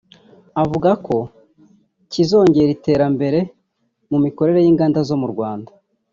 avuga ko kizongera iterambere mu mikorere y’Inganda zo mu Rwanda